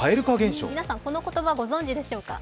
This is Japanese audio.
皆さんこの言葉ご存じでしょうか。